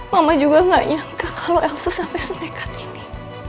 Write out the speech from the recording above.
mama juga gak nyangka kalau elsa sampai senekat ini